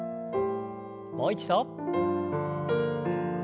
もう一度。